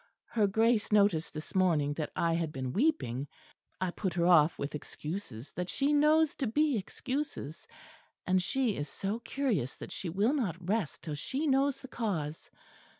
Her Grace noticed this morning that I had been weeping; I put her off with excuses that she knows to be excuses; and she is so curious that she will not rest till she knows the cause.